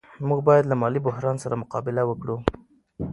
موږ باید له مالي بحران سره مقابله وکړو.